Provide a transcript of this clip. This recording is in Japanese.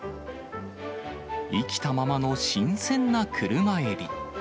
生きたままの新鮮な車エビ。